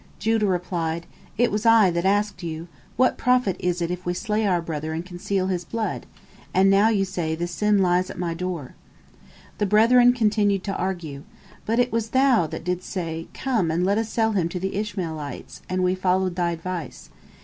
Judah replied: "It was I that asked you, What profit is it if we slay our brother and conceal his blood? and now you say the sin lies at my door." The brethren continued to argue: "But it was thou that didst say, Come and let us sell him to the Ishmaelites, and we followed thy advice.